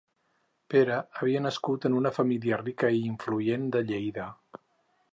Pere havia nascut en una família rica i influent de Lleida.